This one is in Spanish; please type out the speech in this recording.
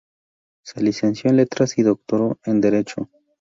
Se licenció en Letras y doctoró en Derecho.